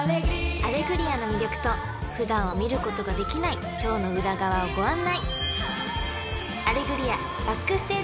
［『アレグリア』の魅力と普段は見ることができないショーの裏側をご案内！］